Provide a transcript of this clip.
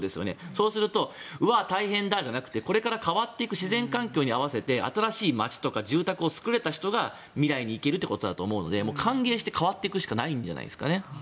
そうするとうわ、大変だじゃなくてこれから変わっていく自然環境に合わせて新しい街や住宅を作るということが未来に生きるということなので歓迎して変わっていくしかないんじゃないですかね。